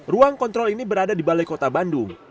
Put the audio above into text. ruang kontrol ini berada di balai kota bandung